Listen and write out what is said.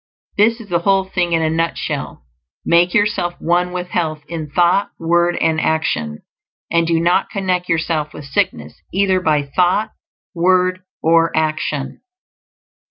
This is the whole thing in a nutshell: _make yourself one with Health in thought, word, and action; and do not connect yourself with sickness either by thought, word, or action_.